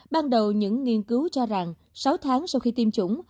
ban đầu những nghiên cứu cho rằng sáu tháng sau khi tiêm chủng